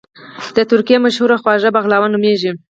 د ترکی مشهور خواږه بغلاوه نوميږي